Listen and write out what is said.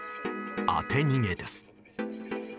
当て逃げです。